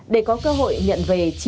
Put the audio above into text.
để có cơ hội nhận ra